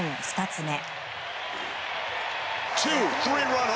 ２つ目。